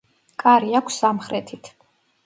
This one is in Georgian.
კარი აქვს სამხრეთით.